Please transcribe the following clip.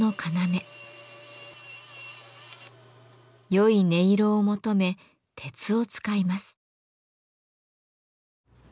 良い音色を求め鉄を使います。